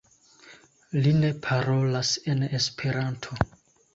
Li ne parolas en Esperanto.